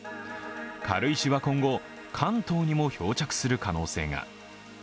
軽石は今後、関東にも漂着する可能性が。